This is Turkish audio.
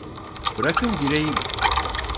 Bırakın gireyim!